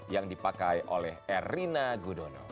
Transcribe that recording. yang dipakai oleh erina gudono